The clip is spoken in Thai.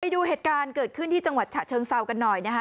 ดูเหตุการณ์เกิดขึ้นที่จังหวัดฉะเชิงเซากันหน่อยนะคะ